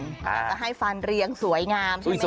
จะให้ฟันเรียงสวยงามใช่ไหมค